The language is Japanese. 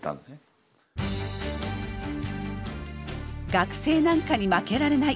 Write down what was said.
学生なんかに負けられない！